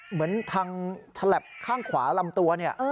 เหมือนทางฉลับข้างขวาลำตัวเนี่ย